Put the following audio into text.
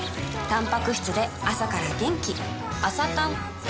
たんぱく質で朝から元気